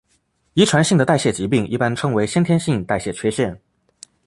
遗传性的代谢疾病一般称为先天性代谢缺陷。